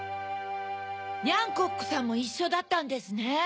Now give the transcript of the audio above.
ニャンコックさんもいっしょだったんですね。